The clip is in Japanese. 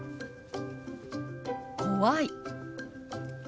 「怖い」。